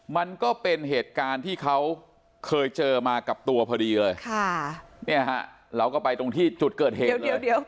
มันก็เป็นเหตุการณ์ที่เขาเคยเจอมากับตัวพอดีเลยค่ะเนี่ยฮะเราก็ไปตรงที่จุดเกิดเหตุเลย